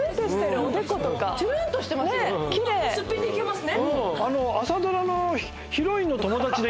すっぴんでいけますね。